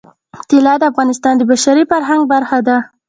طلا د افغانستان د بشري فرهنګ برخه ده.